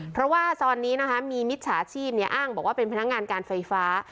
เพราะว่าซอนนี้มีมิตรสาธิบอ้างบอกว่าเป็นพนักงานการไฟฟ้า